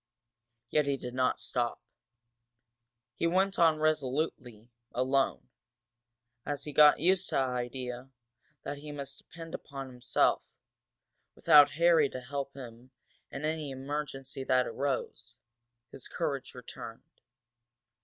Yet he did not stop. He went on resolutely, alone, as he got used to the idea that he must depend on himself, without Harry to help him in any emergency that arose, his courage returned.